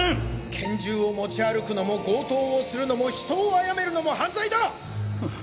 拳銃を持ち歩くのも強盗をするのも人を殺めるのも犯罪だ！